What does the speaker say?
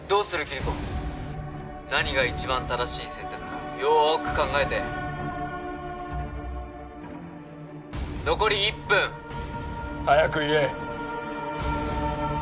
キリコ何が一番正しい選択かよーく考えて残り１分早く言え！